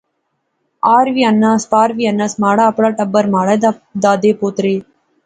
آر وی آنس، پار وی آنس، مہاڑا اپنا ٹبر، مہاڑے دادے پوترے